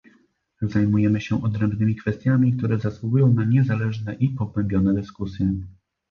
Zajmujemy się odrębnymi kwestiami, które zasługują na niezależne i pogłębione dyskusje